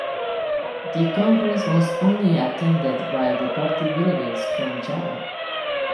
The congress was only attended by the party delegates from Java.